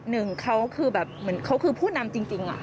หนึ่งเขาคือแบบเหมือนเขาคือผู้นำจริง